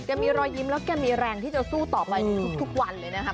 มีรอยยิ้มแล้วแกมีแรงที่จะสู้ต่อไปในทุกวันเลยนะครับ